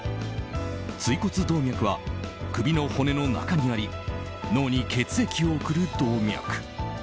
椎骨動脈は、首の骨の中にあり脳に血液を送る動脈。